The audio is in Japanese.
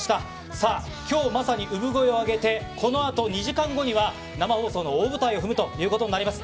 さあ、きょうまさに産声を上げて、このあと２時間後には、生放送の大舞台を踏むということになります。